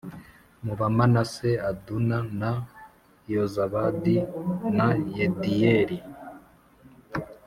mu Bamanase Aduna na Yozabadi na Yediyeli